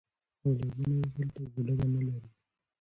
اولادونه یې هلته کوډله نه لري.